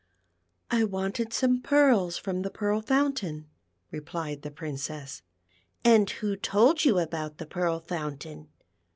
" I wanted some pearls from the Pearl Fountain," replied the Princess. "And who told you about the Pearl Fountain?"